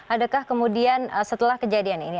adakah kemudian setelah kejadian ini